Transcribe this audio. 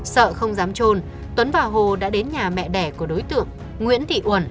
sợ không dám trôn tuấn và hồ đã đến nhà mẹ đẻ của đối tượng nguyễn thị uẩn